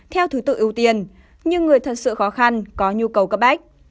theo thứ tự ưu tiên nhưng người thật sự khó khăn có nhu cầu cấp bách